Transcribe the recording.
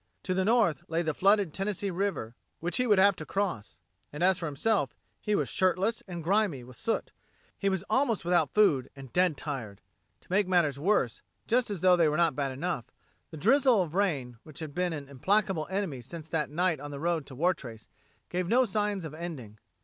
To the north lay the flooded Tennessee River, which he would have to cross. And as for himself, he was shirtless and grimy with soot; he was almost without food, and dead tired. To make matters worse, just as though they were not bad enough, the drizzle of rain, which had been an implacable enemy since that night on the road to Wartrace, gave no signs of ending.